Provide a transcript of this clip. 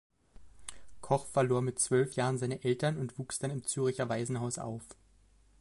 Koch verlor mit zwölf Jahren seine Eltern und wuchs dann im Zürcher Waisenhaus auf.